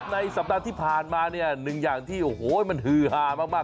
สัปดาห์ที่ผ่านมาเนี่ยหนึ่งอย่างที่โอ้โหมันฮือฮามาก